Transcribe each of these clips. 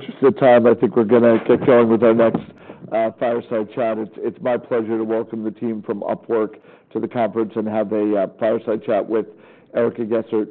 We're just at time. I think we're going to kick on with our next fireside chat. It's my pleasure to welcome the team from Upwork to the conference and have a fireside chat with Erica Gessert,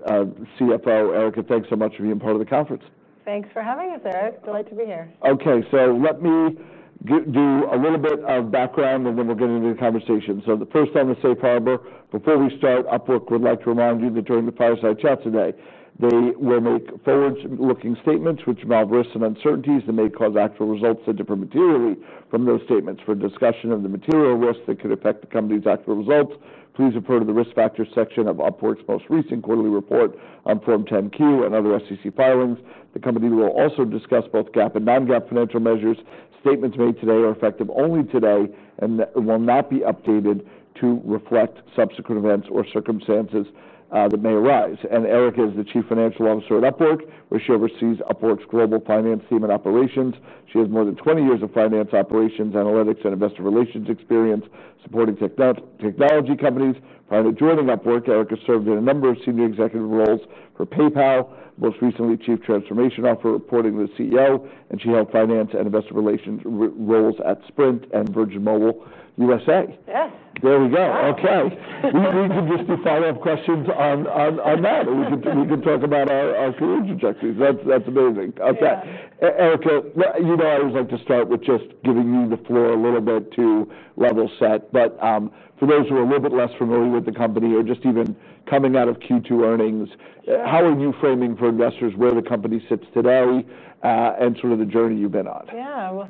CFO. Erica, thanks so much for being part of the conference. Thanks for having us, Eric. Delighted to be here. Okay, let me do a little bit of background and then we'll get into the conversation. The first thing to say, Prabhu, before we start, Upwork Inc. would like to remind you to join the fireside chat today. They will make forward-looking statements, which involve risks and uncertainties that may cause actual results to differ materially from those statements. For discussion of the material risks that could affect the company's actual results, please refer to the risk factors section of Upwork Inc.'s most recent quarterly report on Form 10-Q and other SEC filings. The company will also discuss both GAAP and non-GAAP financial measures. Statements made today are effective only today and will not be updated to reflect subsequent events or circumstances that may arise. Erica Gessert is the Chief Financial Officer at Upwork Inc., where she oversees Upwork Inc.'s global finance team and operations. She has more than 20 years of finance operations, analytics, and investor relations experience supporting technology companies. Prior to joining Upwork Inc., Erica served in a number of senior executive roles for PayPal, most recently Chief Transformation Officer reporting to the CEO, and she held finance and investor relations roles at Sprint and Virgin Mobile USA. Yes. There we go. Okay. We can just do follow-up questions on that, or we can talk about our career trajectories. That's amazing. Okay. Erica, you know I always like to start with just giving you the floor a little bit to level set. For those who are a little bit less familiar with the company or just even coming out of Q2 earnings, how are you framing for investors where the company sits today and sort of the journey you've been on?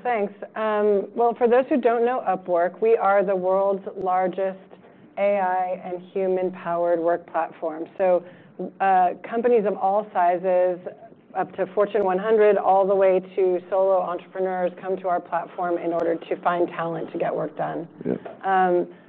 Thanks. For those who don't know Upwork, we are the world's largest AI and human-powered work platform. Companies of all sizes, up to Fortune 100, all the way to solo entrepreneurs, come to our platform in order to find talent to get work done.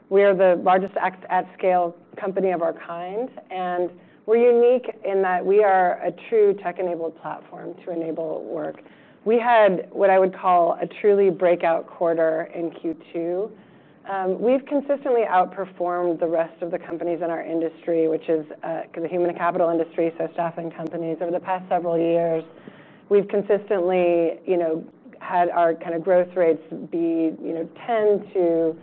We are the largest at-scale company of our kind, and we're unique in that we are a true tech-enabled platform to enable work. We had what I would call a truly breakout quarter in Q2. We've consistently outperformed the rest of the companies in our industry, which is the human and capital industry, so staffing companies. Over the past several years, we've consistently had our kind of growth rates be 10% to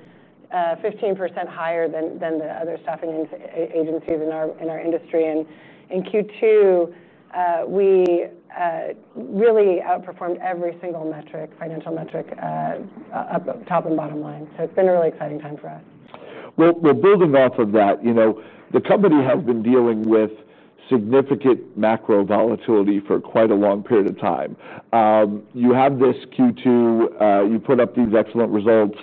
15% higher than the other staffing agencies in our industry. In Q2, we really outperformed every single metric, financial metric, top and bottom line. It's been a really exciting time for us. We're building off of that. The company has been dealing with significant macro volatility for quite a long period of time. You have this Q2, you put up these excellent results.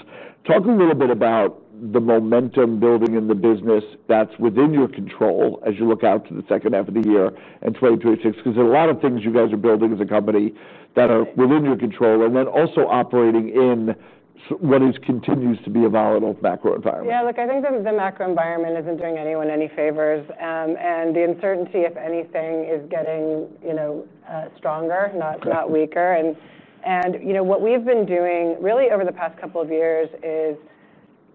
Talk a little bit about the momentum building in the business that's within your control as you look out to the second half of the year and 2026, because there are a lot of things you guys are building as a company that are within your control and also operating in what continues to be a volatile macro environment. Yeah, look, I think the macro environment isn't doing anyone any favors, and the uncertainty, if anything, is getting stronger, not weaker. What we've been doing really over the past couple of years is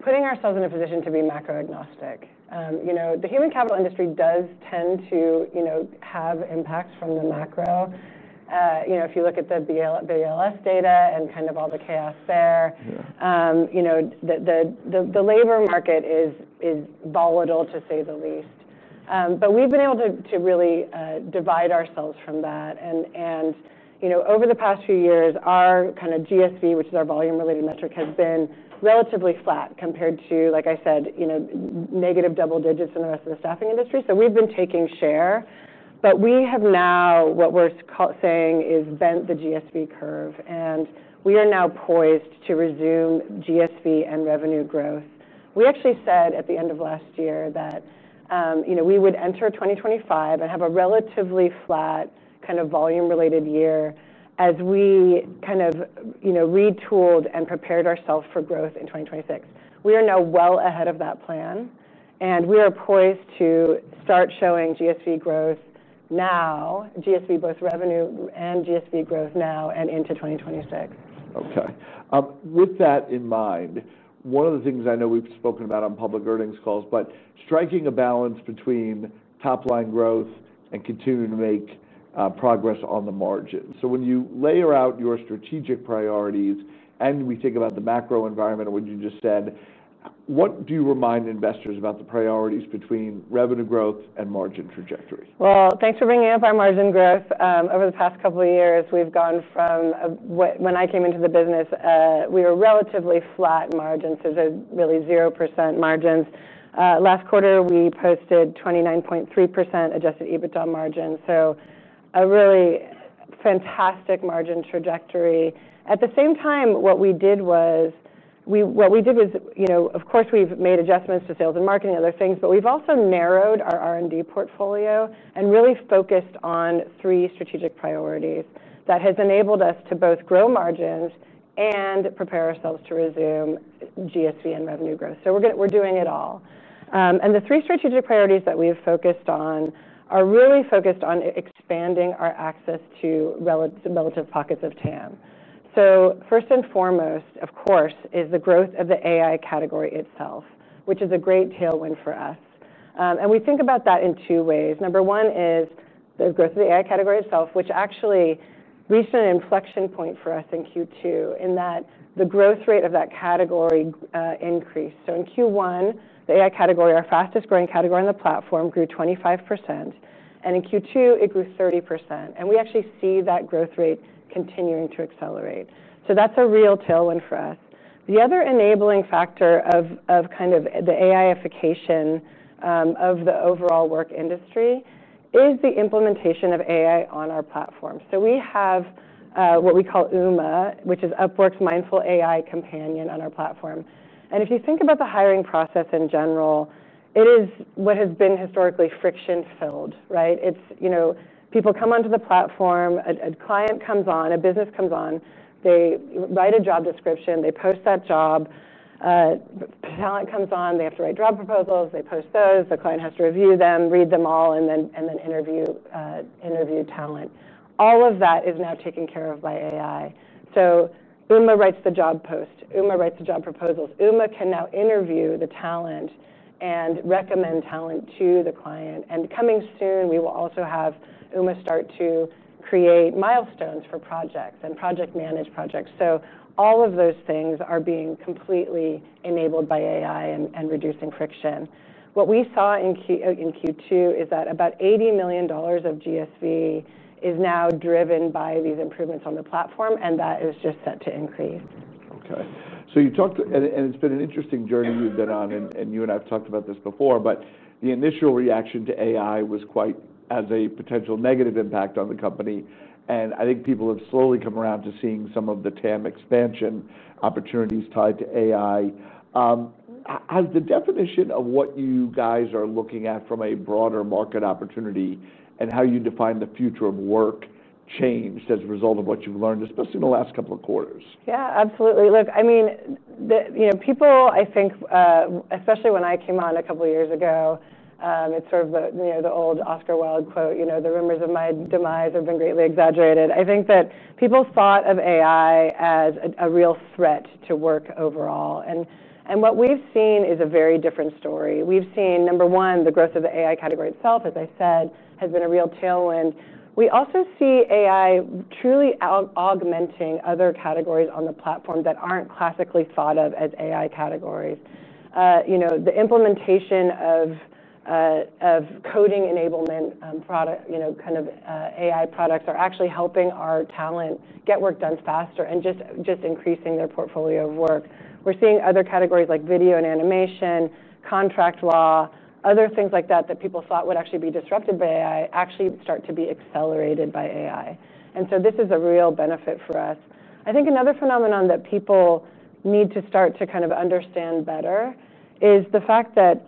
putting ourselves in a position to be macro-agnostic. The human capital industry does tend to have impacts from the macro. If you look at the BLS data and kind of all the chaos there, the labor market is volatile, to say the least. We've been able to really divide ourselves from that. Over the past few years, our kind of GSV, which is our volume-related metric, has been relatively flat compared to, like I said, negative double digits in the rest of the staffing industry. We've been taking share, but we have now, what we're saying is bent the GSV curve, and we are now poised to resume GSV and revenue growth. We actually said at the end of last year that we would enter 2025 and have a relatively flat kind of volume-related year as we retooled and prepared ourselves for growth in 2026. We are now well ahead of that plan, and we are poised to start showing GSV growth now, GSV both revenue and GSV growth now and into 2026. Okay. With that in mind, one of the things I know we've spoken about on public earnings calls is striking a balance between top-line growth and continuing to make progress on the margins. When you layer out your strategic priorities and we think about the macro environment, what you just said, what do you remind investors about the priorities between revenue growth and margin trajectory? Thanks for bringing up our margin growth. Over the past couple of years, we've gone from when I came into the business, we were relatively flat margins. There were really 0% margins. Last quarter, we posted 29.3% adjusted EBITDA margin. A really fantastic margin trajectory. At the same time, what we did was, of course we've made adjustments to sales and marketing and other things, but we've also narrowed our R&D portfolio and really focused on three strategic priorities that have enabled us to both grow margins and prepare ourselves to resume GSV and revenue growth. We're doing it all. The three strategic priorities that we've focused on are really focused on expanding our access to relative pockets of TAM. First and foremost, of course, is the growth of the AI category itself, which is a great tailwind for us. We think about that in two ways. Number one is the growth of the AI category itself, which actually reached an inflection point for us in Q2 in that the growth rate of that category increased. In Q1, the AI category, our fastest growing category in the platform, grew 25%. In Q2, it grew 30%. We actually see that growth rate continuing to accelerate. That's a real tailwind for us. The other enabling factor of kind of the AI-ification of the overall work industry is the implementation of AI on our platform. We have what we call UMA, which is Upwork's mindful AI companion on our platform. If you think about the hiring process in general, it is what has been historically friction-filled, right? People come onto the platform, a client comes on, a business comes on, they write a job description, they post that job, talent comes on, they have to write job proposals, they post those, the client has to review them, read them all, and then interview talent. All of that is now taken care of by AI. UMA writes the job post, UMA writes the job proposals, UMA can now interview the talent and recommend talent to the client. Coming soon, we will also have UMA start to create milestones for projects and project manage projects. All of those things are being completely enabled by AI and reducing friction. What we saw in Q2 is that about $80 million of GSV is now driven by these improvements on the platform, and that is just set to increase. Okay. You talked, and it's been an interesting journey we've been on. You and I have talked about this before, but the initial reaction to AI was quite as a potential negative impact on the company. I think people have slowly come around to seeing some of the TAM expansion opportunities tied to AI. Has the definition of what you guys are looking at from a broader market opportunity and how you define the future of work changed as a result of what you've learned, especially in the last couple of quarters? Yeah, absolutely. Look, I mean, you know, people, I think, especially when I came on a couple of years ago, it's sort of the old Oscar Wilde quote, you know, the rumors of my demise have been greatly exaggerated. I think that people thought of AI as a real threat to work overall. What we've seen is a very different story. We've seen, number one, the growth of the AI category itself, as I said, has been a real tailwind. We also see AI truly augmenting other categories on the platform that aren't classically thought of as AI categories. The implementation of coding enablement products, you know, kind of AI products are actually helping our talent get work done faster and just increasing their portfolio of work. We're seeing other categories like video and animation, contract law, other things like that that people thought would actually be disrupted by AI actually start to be accelerated by AI. This is a real benefit for us. I think another phenomenon that people need to start to kind of understand better is the fact that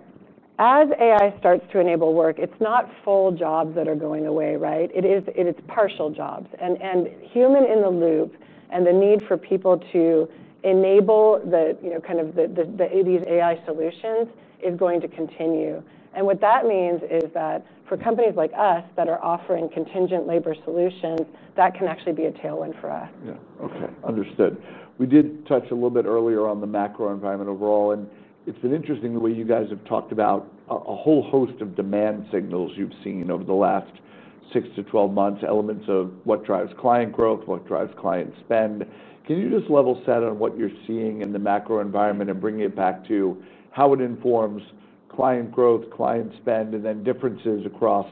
as AI starts to enable work, it's not full jobs that are going away, right? It is partial jobs. Human in the loop and the need for people to enable these AI solutions is going to continue. What that means is that for companies like us that are offering contingent labor solutions, that can actually be a tailwind for us. Yeah, okay, understood. We did touch a little bit earlier on the macro environment overall, and it's been interesting the way you guys have talked about a whole host of demand signals you've seen over the last 6 to 12 months, elements of what drives client growth, what drives client spend. Can you just level set on what you're seeing in the macro environment and bring it back to how it informs client growth, client spend, and then differences across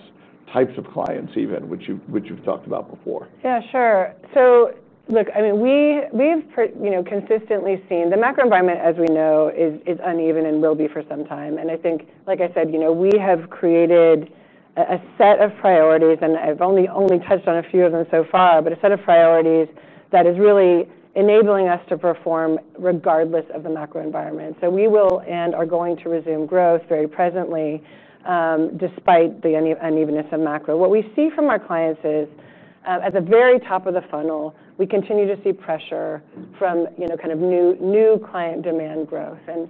types of clients even, which you've talked about before? Yeah, sure. I mean, we've consistently seen the macro environment, as we know, is uneven and will be for some time. I think, like I said, we have created a set of priorities, and I've only touched on a few of them so far, but a set of priorities that is really enabling us to perform regardless of the macro environment. We will and are going to resume growth very presently, despite the unevenness of macro. What we see from our clients is, at the very top of the funnel, we continue to see pressure from, you know, kind of new client demand growth. At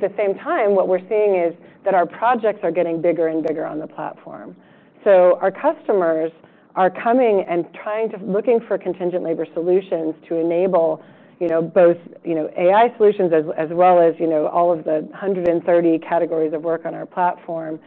the same time, what we're seeing is that our projects are getting bigger and bigger on the platform. Our customers are coming and trying to look for contingent labor solutions to enable, you know, both, you know, AI solutions as well as, you know, all of the 130 categories of work on our platform.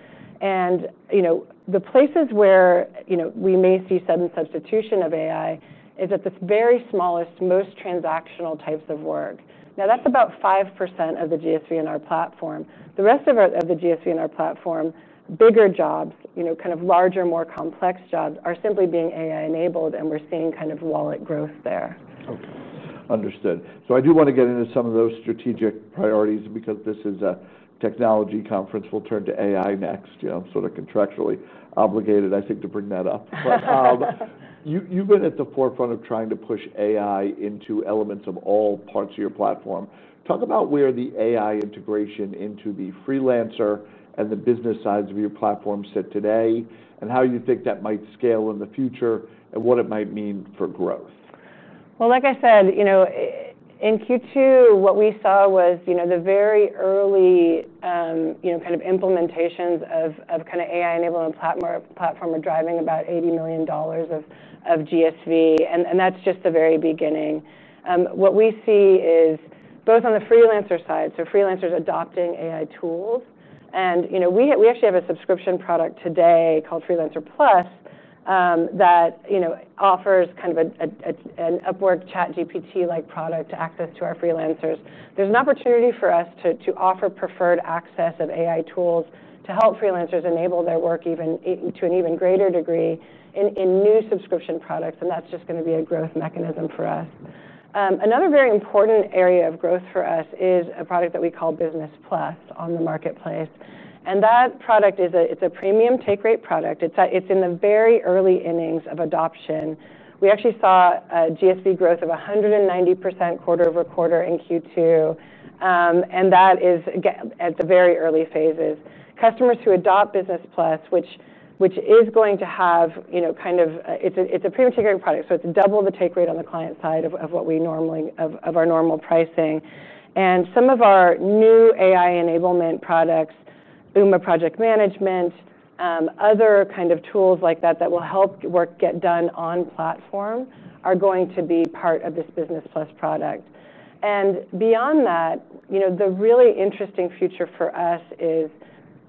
The places where we may see sudden substitution of AI is at the very smallest, most transactional types of work. Now that's about 5% of the GSV in our platform. The rest of the GSV in our platform, bigger jobs, kind of larger, more complex jobs are simply being AI-enabled, and we're seeing kind of wallet growth there. Okay, understood. I do want to get into some of those strategic priorities because this is a technology conference. We'll turn to AI next. I'm sort of contractually obligated, I think, to bring that up. You've been at the forefront of trying to push AI into elements of all parts of your platform. Talk about where the AI integration into the freelancer and the business sides of your platform sit today and how you think that might scale in the future and what it might mean for growth. In Q2, what we saw was the very early implementations of kind of AI-enabled platform are driving about $80 million of GSV, and that's just the very beginning. What we see is both on the freelancer side, so freelancers adopting AI tools, and we actually have a subscription product today called Freelancer Plus that offers kind of an Upwork ChatGPT-like product to access to our freelancers. There's an opportunity for us to offer preferred access of AI tools to help freelancers enable their work even to an even greater degree in new subscription products, and that's just going to be a growth mechanism for us. Another very important area of growth for us is a product that we call Business Plus on the marketplace. That product is a premium take-rate product. It's in the very early innings of adoption. We actually saw GSV growth of 190% quarter over quarter in Q2, and that is at the very early phases. Customers who adopt Business Plus, which is going to have, it's a premium take-rate product, so it's double the take-rate on the client side of our normal pricing. Some of our new AI-enablement products, UMA Project Management, other tools like that that will help work get done on platform are going to be part of this Business Plus product. Beyond that, the really interesting future for us is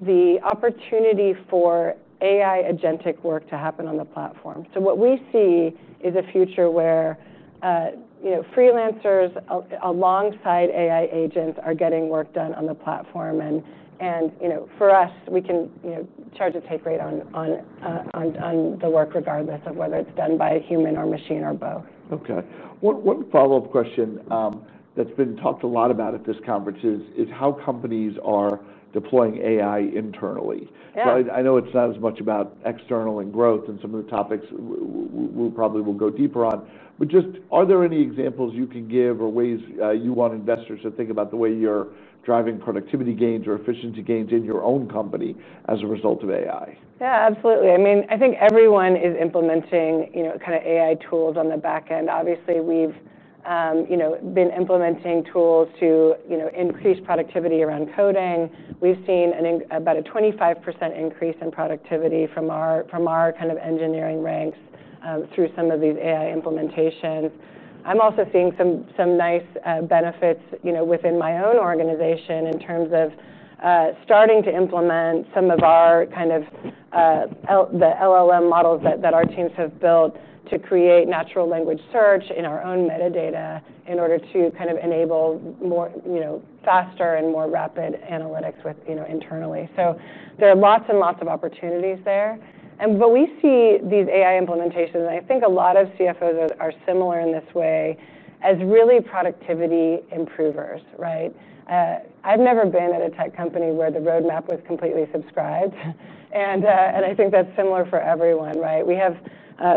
the opportunity for AI agentic work to happen on the platform. What we see is a future where freelancers alongside AI agents are getting work done on the platform. For us, we can charge a take-rate on the work regardless of whether it's done by a human or machine or both. Okay. One follow-up question that's been talked a lot about at this conference is how companies are deploying AI internally. I know it's not as much about external and growth and some of the topics we probably will go deeper on, but just are there any examples you can give or ways you want investors to think about the way you're driving productivity gains or efficiency gains in your own company as a result of AI? Yeah, absolutely. I mean, I think everyone is implementing, you know, kind of AI tools on the backend. Obviously, we've, you know, been implementing tools to, you know, increase productivity around coding. We've seen about a 25% increase in productivity from our kind of engineering ranks through some of these AI implementations. I'm also seeing some nice benefits within my own organization in terms of starting to implement some of our kind of the LLM models that our teams have built to create natural language search in our own metadata in order to enable more, you know, faster and more rapid analytics internally. There are lots and lots of opportunities there. What we see with these AI implementations, and I think a lot of CFOs are similar in this way, as really productivity improvers, right? I've never been at a tech company where the roadmap was completely subscribed. I think that's similar for everyone, right?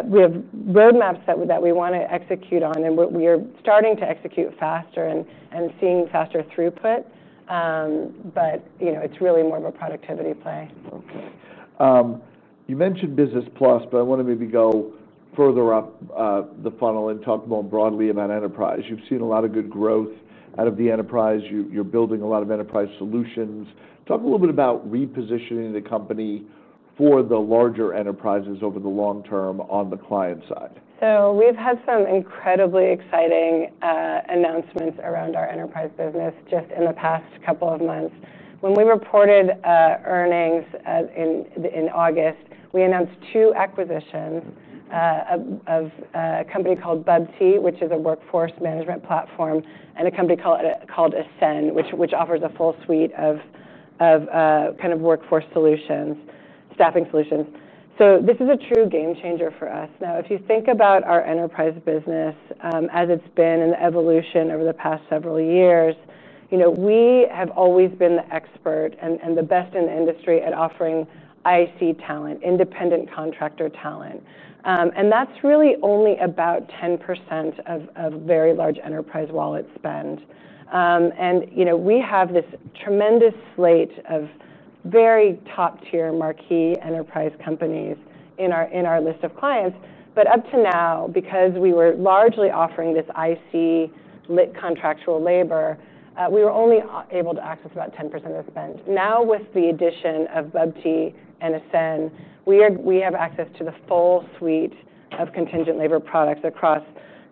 We have roadmaps that we want to execute on, and we are starting to execute faster and seeing faster throughput. It's really more of a productivity play. Okay. You mentioned Business Plus, but I want to maybe go further up the funnel and talk more broadly about Enterprise. You've seen a lot of good growth out of the Enterprise. You're building a lot of Enterprise solutions. Talk a little bit about repositioning the company for the larger enterprises over the long term on the client side. We've had some incredibly exciting announcements around our Enterprise business just in the past couple of months. When we reported earnings in August, we announced two acquisitions of a company called BubTea, which is a workforce management platform, and a company called Ascend, which offers a full suite of kind of workforce solutions, staffing solutions. This is a true game changer for us. If you think about our Enterprise business as it's been in the evolution over the past several years, we have always been the expert and the best in the industry at offering IC talent, independent contractor talent. That's really only about 10% of very large enterprise wallet spend. We have this tremendous slate of very top-tier marquee enterprise companies in our list of clients. Up to now, because we were largely offering this IC lit contractual labor, we were only able to access about 10% of the spend. With the addition of BubTea and Ascend, we have access to the full suite of contingent labor products across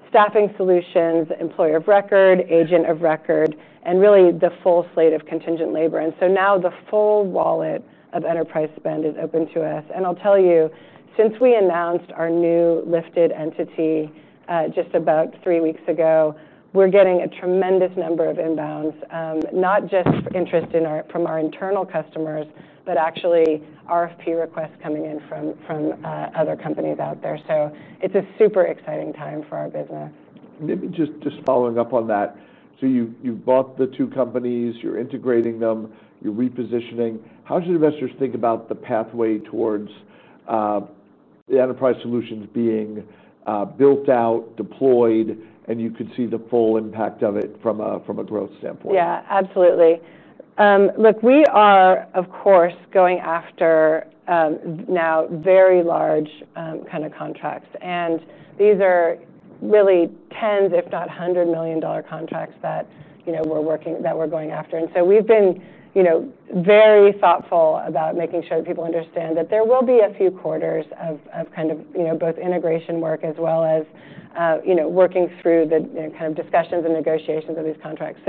staffing solutions, employer of record, agent of record, and really the full slate of contingent labor. Now the full wallet of enterprise spend is open to us. I'll tell you, since we announced our new Lifted entity just about three weeks ago, we're getting a tremendous number of inbounds, not just interest from our internal customers, but actually RFP requests coming in from other companies out there. It's a super exciting time for our business. Let me just follow up on that. You bought the two companies, you're integrating them, you're repositioning. How should investors think about the pathway towards the enterprise solutions being built out, deployed, and you could see the full impact of it from a growth standpoint? Yeah, absolutely. Look, we are, of course, going after now very large kind of contracts. These are really tens, if not hundred million dollar contracts that we're working, that we're going after. We've been very thoughtful about making sure that people understand that there will be a few quarters of both integration work as well as working through the kind of discussions and negotiations of these contracts.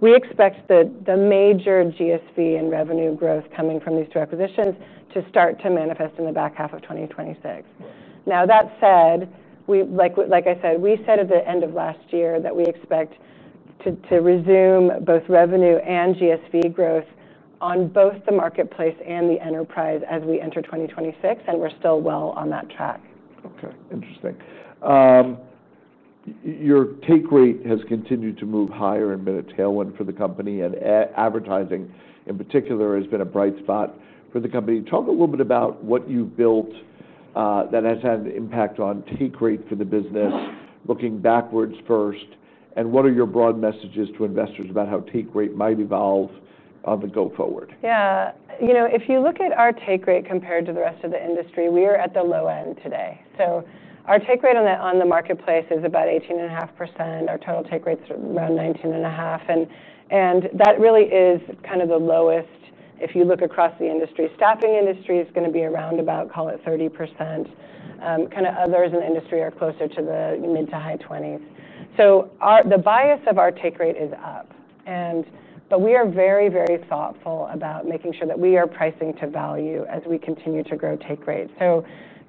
We expect the major GSV and revenue growth coming from these requisitions to start to manifest in the back half of 2026. That said, like I said, we said at the end of last year that we expect to resume both revenue and GSV growth on both the marketplace and the enterprise as we enter 2026, and we're still well on that track. Okay, interesting. Your take rate has continued to move higher and been a tailwind for the company, and advertising in particular has been a bright spot for the company. Talk a little bit about what you've built that has had an impact on take rate for the business, looking backwards first, and what are your broad messages to investors about how take rate might evolve on the go forward? Yeah, you know, if you look at our take rate compared to the rest of the industry, we are at the low end today. Our take rate on the marketplace is about 18.5%. Our total take rate is around 19.5%. That really is kind of the lowest. If you look across the industry, staffing industry is going to be around about, call it 30%. Others in the industry are closer to the mid to high 20s. The bias of our take rate is up. We are very, very thoughtful about making sure that we are pricing to value as we continue to grow take rate.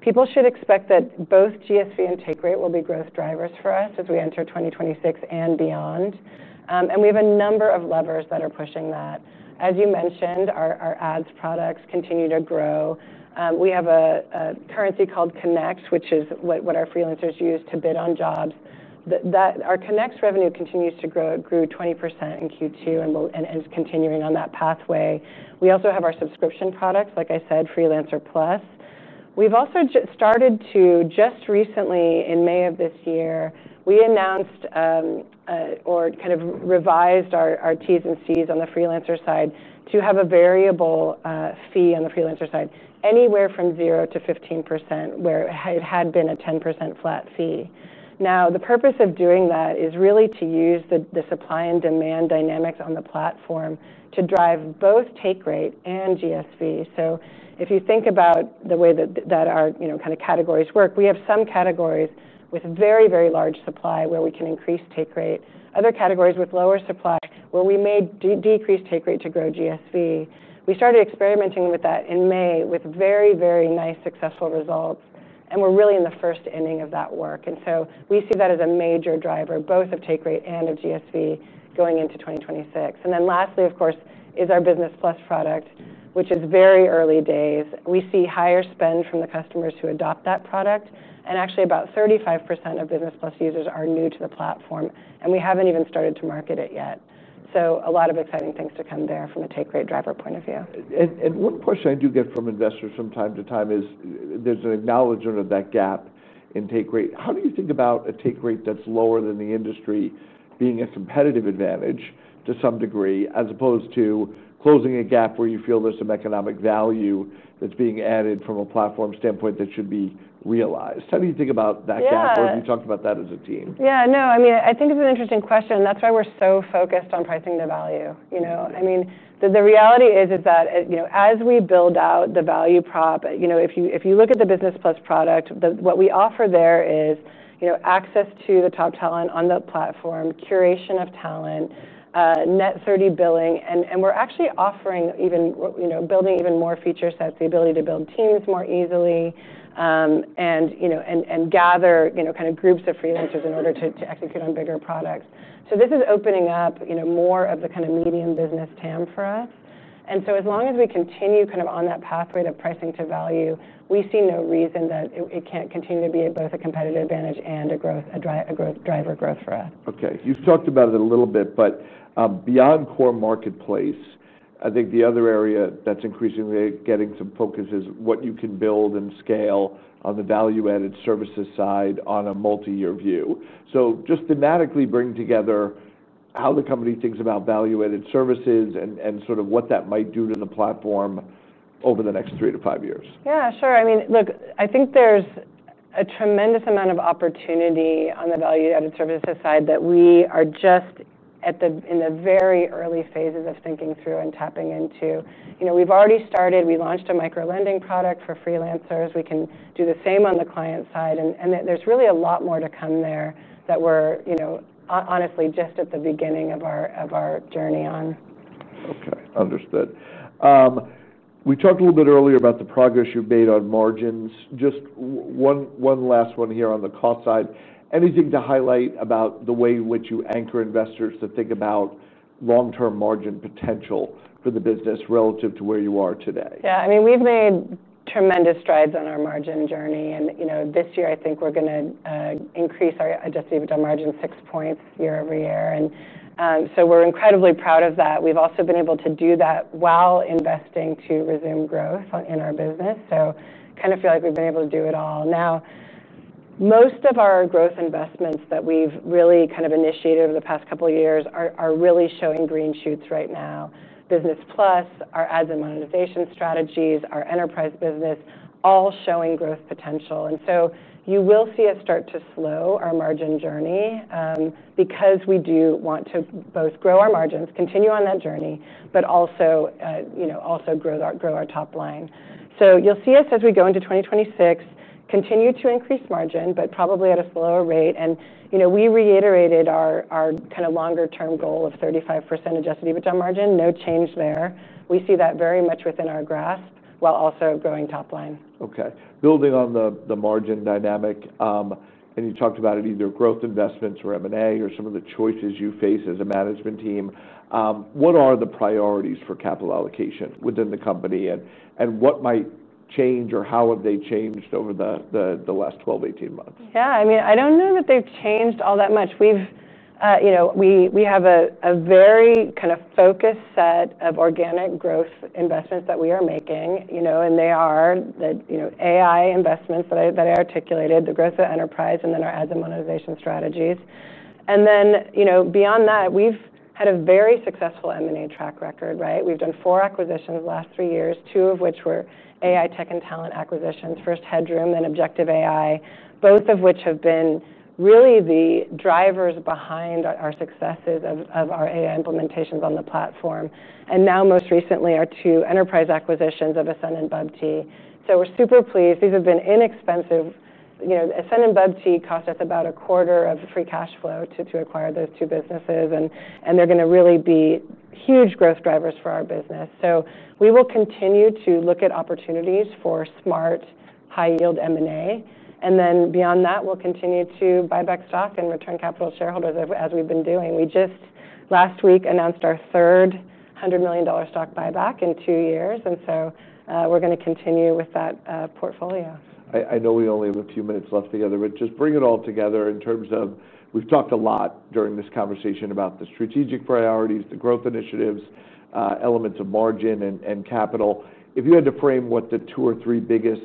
People should expect that both GSV and take rate will be growth drivers for us as we enter 2026 and beyond. We have a number of levers that are pushing that. As you mentioned, our ads products continue to grow. We have a currency called Connect, which is what our freelancers use to bid on jobs. Our Connect revenue continues to grow, grew 20% in Q2 and is continuing on that pathway. We also have our subscription products, like I said, Freelancer Plus. We have also started to just recently, in May of this year, announced or kind of revised our Ts and Cs on the freelancer side to have a variable fee on the freelancer side, anywhere from 0% to 15%, where it had been a 10% flat fee. The purpose of doing that is really to use the supply and demand dynamics on the platform to drive both take rate and GSV. If you think about the way that our kind of categories work, we have some categories with very, very large supply where we can increase take rate. Other categories with lower supply where we may decrease take rate to grow GSV. We started experimenting with that in May with very, very nice successful results. We are really in the first inning of that work. We see that as a major driver, both of take rate and of GSV going into 2026. Lastly, of course, is our Business Plus product, which is very early days. We see higher spend from the customers who adopt that product. Actually, about 35% of Business Plus users are new to the platform. We haven't even started to market it yet. A lot of exciting things to come there from a take rate driver point of view. One question I do get from investors from time to time is there's an acknowledgement of that gap in take rate. How do you think about a take rate that's lower than the industry being a competitive advantage to some degree, as opposed to closing a gap where you feel there's some economic value that's being added from a platform standpoint that should be realized? How do you think about that gap? Have you talked about that as a team? Yeah, no, I mean, I think it's an interesting question. That's why we're so focused on pricing the value. I mean, the reality is that as we build out the value prop, if you look at the Business Plus product, what we offer there is access to the top talent on the platform, curation of talent, net 30 billing. We're actually offering even more features, the ability to build teams more easily, and gather groups of freelancers in order to execute on bigger products. This is opening up more of the kind of medium business TAM for us. As long as we continue on that pathway to pricing to value, we see no reason that it can't continue to be both a competitive advantage and a growth driver for us. Okay, you've talked about it a little bit, but beyond core marketplace, I think the other area that's increasingly getting some focus is what you can build and scale on the value-added services side on a multi-year view. Just thematically bring together how the company thinks about value-added services and sort of what that might do to the platform over the next three to five years. Yeah, sure. I mean, look, I think there's a tremendous amount of opportunity on the value-added services side that we are just in the very early phases of thinking through and tapping into. We've already started, we launched a micro-lending product for freelancers. We can do the same on the client side. There's really a lot more to come there that we're, honestly, just at the beginning of our journey on. Okay, understood. We talked a little bit earlier about the progress you've made on margins. Just one last one here on the cost side. Anything to highlight about the way in which you anchor investors to think about long-term margin potential for the business relative to where you are today? Yeah, I mean, we've made tremendous strides on our margin journey. You know, this year I think we're going to increase our adjusted EBITDA margin 6 points year over year, and we're incredibly proud of that. We've also been able to do that while investing to resume growth in our business. I kind of feel like we've been able to do it all. Most of our growth investments that we've really kind of initiated over the past couple of years are really showing green shoots right now. Business Plus, our ads and monetization strategies, our enterprise business, all showing growth potential. You will see us start to slow our margin journey because we do want to both grow our margins, continue on that journey, but also, you know, also grow our top line. You'll see us as we go into 2026, continue to increase margin, but probably at a slower rate. You know, we reiterated our kind of longer-term goal of 35% adjusted EBITDA margin, no change there. We see that very much within our grasp while also growing top line. Okay, building on the margin dynamic, and you talked about it either growth investments or M&A or some of the choices you face as a management team, what are the priorities for capital allocation within the company, and what might change or how have they changed over the last 12-18 months? Yeah, I mean, I don't know that they've changed all that much. We have a very kind of focused set of organic growth investments that we are making, and they are the AI investments that I articulated, the growth of the enterprise, and then our ads and monetization strategies. Beyond that, we've had a very successful M&A track record, right? We've done four acquisitions in the last three years, two of which were AI tech and talent acquisitions, first Headroom, then Objective AI, both of which have been really the drivers behind our successes of our AI implementations on the platform. Most recently, our two enterprise acquisitions of Ascend and BubTea. We're super pleased. These have been inexpensive. Ascend and BubTea cost us about a quarter of free cash flow to acquire those two businesses, and they're going to really be huge growth drivers for our business. We will continue to look at opportunities for smart, high-yield M&A. Beyond that, we'll continue to buy back stock and return capital to shareholders as we've been doing. We just last week announced our third $100 million stock buyback in two years, and we're going to continue with that portfolio. I know we only have a few minutes left together, but just bring it all together in terms of we've talked a lot during this conversation about the strategic priorities, the growth initiatives, elements of margin and capital. If you had to frame what the two or three biggest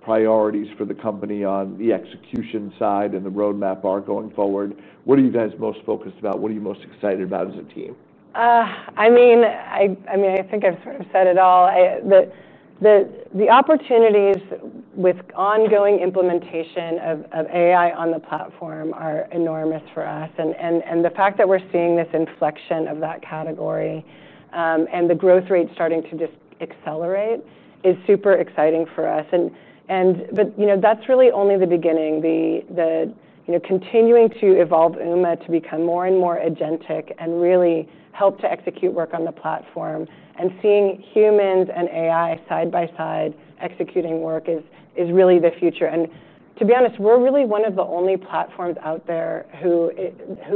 priorities for the company on the execution side and the roadmap are going forward, what are you guys most focused about? What are you most excited about as a team? I mean, I think I've sort of said it all. The opportunities with ongoing implementation of AI on the platform are enormous for us. The fact that we're seeing this inflection of that category and the growth rate starting to just accelerate is super exciting for us. That's really only the beginning. Continuing to evolve UMA to become more and more agentic and really help to execute work on the platform and seeing humans and AI side by side executing work is really the future. To be honest, we're really one of the only platforms out there who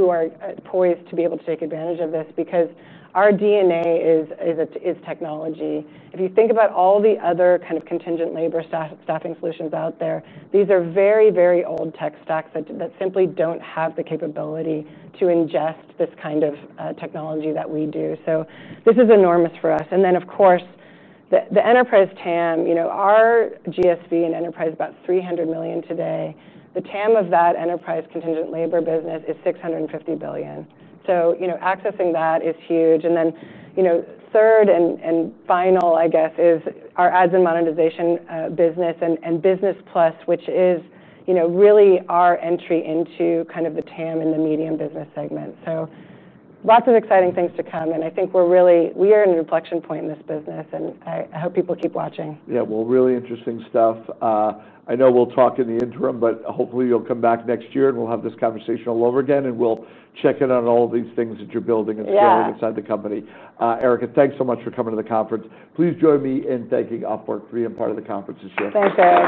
are poised to be able to take advantage of this because our DNA is technology. If you think about all the other kind of contingent labor staffing solutions out there, these are very, very old tech stacks that simply don't have the capability to ingest this kind of technology that we do. This is enormous for us. Of course, the enterprise TAM, our GSV in enterprise is about $300 million today. The TAM of that enterprise contingent labor business is $650 billion. Accessing that is huge. Third and final, I guess, is our ads and monetization business and Business Plus, which is really our entry into kind of the TAM in the medium business segment. Lots of exciting things to come. I think we're really, we are in a reflection point in this business. I hope people keep watching. Yeah, really interesting stuff. I know we'll talk in the interim, but hopefully you'll come back next year and we'll have this conversation all over again. We'll check in on all of these things that you're building and scaling inside the company. Erica, thanks so much for coming to the conference. Please join me in thanking Upwork for being part of the conference this year. Thanks, Eric.